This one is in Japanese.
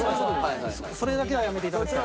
それだけはやめていただきたい。